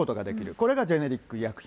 これがジェネリック医薬品。